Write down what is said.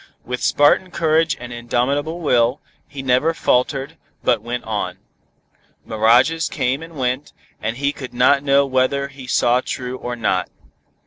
With Spartan courage and indomitable will, he never faltered, but went on. Mirages came and went, and he could not know whether he saw true or not.